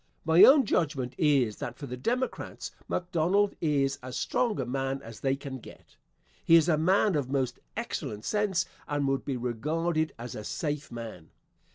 My own judgment is that for the Democrats, McDonald is as strong a man as they can get. He is a man of most excellent sense and would be regarded as a safe man.